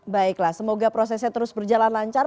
baiklah semoga prosesnya terus berjalan lancar